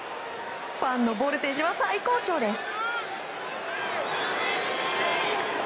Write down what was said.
ファンのボルテージは最高潮です。